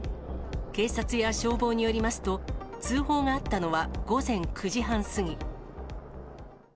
警察や消防によりますと、通報があったのは午前９時半過ぎ。